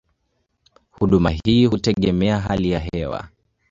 Huduma hii hutegemea hali ya hewa.